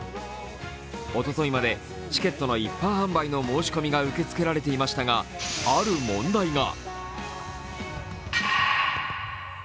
おとといまでチケットの一般販売の申し込みが受け付けられていましたがある問題が。